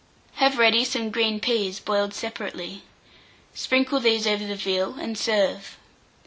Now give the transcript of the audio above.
Have ready some green peas, boiled separately; sprinkle these over the veal, and serve.